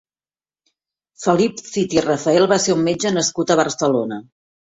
Felip Cid i Rafael va ser un metge nascut a Barcelona.